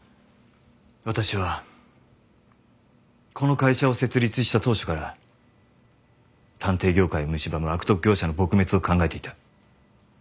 私はこの会社を設立した当初から探偵業界をむしばむ悪徳業者の撲滅を考えていた。